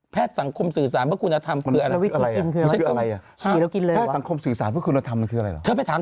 แพทย์สังคมสื่อสารเพื่อคุณธรรมคืออะไร